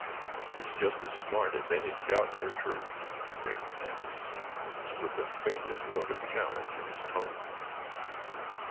"He's just as smart as any scout in your troop," Raymond added, with the faintest note of challenge in his tone.